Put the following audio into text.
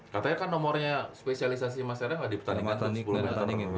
katanya kan nomornya spesialisasi mas tera enggak dipertandingkan sepuluh meter